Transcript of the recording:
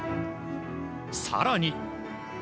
更に。